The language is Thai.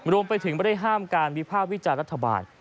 รวมไปถึงไม่ได้ห้ามการวิภาควิจารณ์รัฐบาล